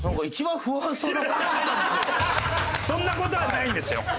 そんな事はないんですよ。